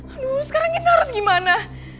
aduh sekarang kita harus gimana